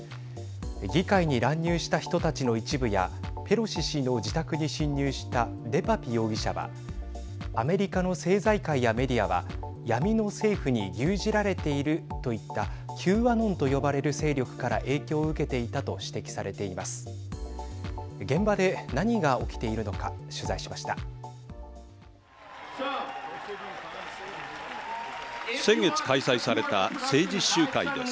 議会に乱入した人たちの一部やペロシ氏の自宅に侵入したデパピ容疑者はアメリカの政財界やメディアは闇の政府に牛耳られているといったＱアノンと呼ばれる勢力から影響を受けていたと指摘しています。